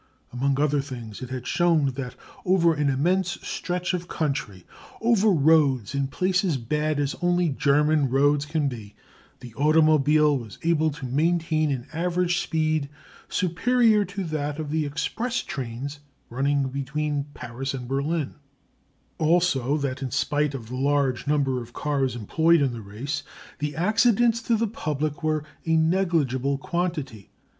Among other things it had shown that over an immense stretch of country, over roads in places bad as only German roads can be, the automobile was able to maintain an average speed superior to that of the express trains running between Paris and Berlin; also that, in spite of the large number of cars employed in the race, the accidents to the public were a negligible quantity.